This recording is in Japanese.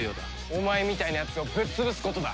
お前みたいなやつをぶっ潰すことだ